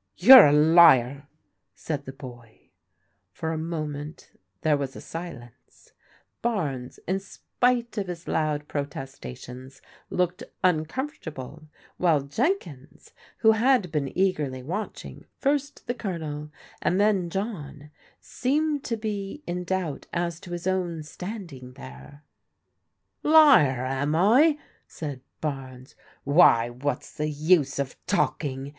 " You are a liar," said the boy. For a moment there was a silence. Barnes, in spite of his loud protestations, looked uncomfortable, while Jenkins, who had been eagerly watching, first the Colonel and then John, seemed to be in doubt as to his own standing there. JIM BAENES TAKES A LICKING 175 " Liar, am I ?" said Bames. " Why, what's the use of talking?